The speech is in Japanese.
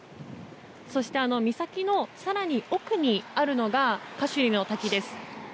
そして岬の更に奥にあるのがカシュニの滝です。